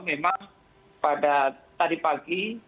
memang pada tadi pagi